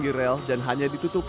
jadi jangan ngecak itu